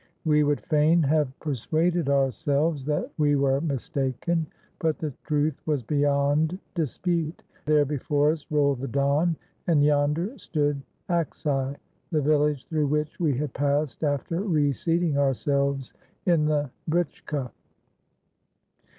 We would fain have persuaded ourselves that we were mistaken, but the truth was beyond dispute; there before us rolled the Don, and yonder stood Axai, the village through which we had passed after reseating ourselves in the britchka.